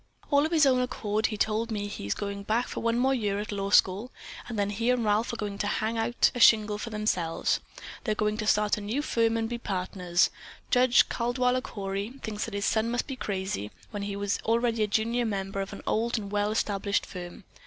"All of his own accord he told me that he's going back for one more year at law school and then he and Ralph are going to hang out a shingle for themselves. They're going to start a new firm and be partners. Judge Caldwaller Cory thinks that his son must be crazy, when he is already a junior member of an old and well established firm.